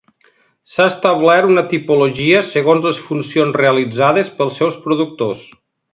S'ha establert una tipologia segons les funcions realitzades pels seus productors.